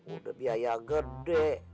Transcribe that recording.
udah biaya gede